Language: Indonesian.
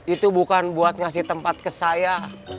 itu bukan buat ngasih tempat ke saya